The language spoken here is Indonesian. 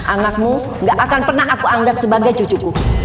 anakmu gak akan pernah aku anggap sebagai cucuku